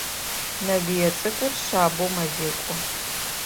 Нэгые цӏыкӏур шъабэу мэзекӏо.